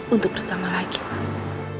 untuk bersama lagi mas